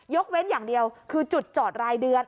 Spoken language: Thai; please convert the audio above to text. เว้นอย่างเดียวคือจุดจอดรายเดือน